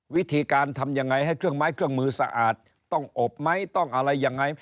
วิธีการทำยังไงให้เครื่องไม้เครื่องมือสะอาดต้องอบไหมต้องอะไรยังไง